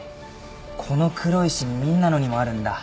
この黒いシミみんなのにもあるんだ。